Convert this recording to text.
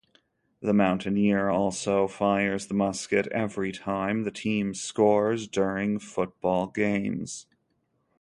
The Mountaineer also fires the musket every time the team scores during football games.